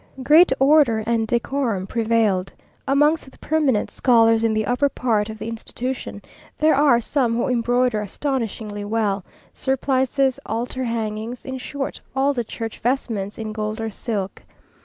Great order and decorum prevailed. Amongst the permanent scholars in the upper part of the institution, there are some who embroider astonishingly well surplices, altar hangings, in short, all the church vestments in gold or silk.